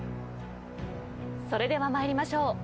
それでは参りましょう。